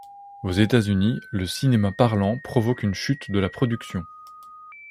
Aux États-Unis, le cinéma parlant provoque une chute de la production.